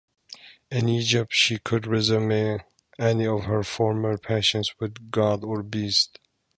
In Egypt she could resume any of her former passions with god or beast.